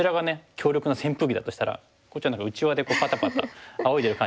強力な扇風機だとしたらこっちは何かうちわでパタパタあおいでる感じの。